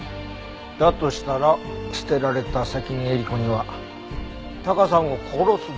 だとしたら捨てられた関根えり子にはタカさんを殺す動機があるよね。